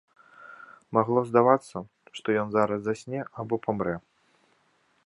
Магло здавацца, што ён зараз засне або памрэ.